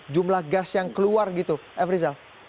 jumlah gas yang keluar gitu efri zal